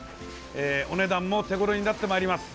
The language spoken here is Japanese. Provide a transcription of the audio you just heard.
お値段も手ごろになってまいります。